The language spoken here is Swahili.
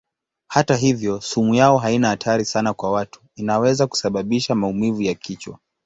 Hata hivyo sumu yao haina hatari sana kwa watu; inaweza kusababisha maumivu ya kichwa.